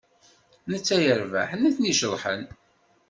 Netta yerbeḥ nitni ceḍḥen.